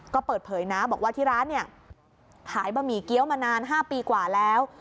ก็เปิดเผยนะบอกว่าที่ร้านเนี่ยขายบะหมี่เกี้ยวมานาน๕ปีกว่าแล้ว